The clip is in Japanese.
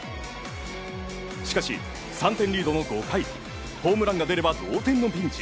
しかし、３点リードの５回ホームランが出れば同点のピンチ。